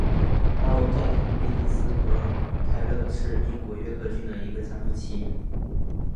哈罗盖特贝蒂斯和泰勒是英国约克郡的一个家族企业。